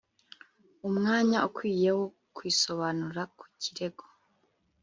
umwanya ukwiye wo kwisobanura ku kirego